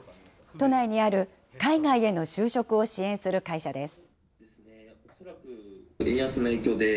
都内にある海外への就職を支援する会社です。